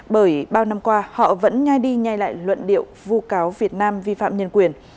do năm qua họ vẫn nhai đi nhai lại luận điệu vu cáo việt nam vi phạm nhân quyền